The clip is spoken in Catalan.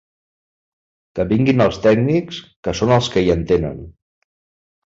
Que vinguin els tècnics, que són els que hi entenen.